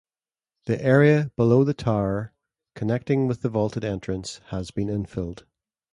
The area below the tower connecting with the vaulted entrance has been infilled.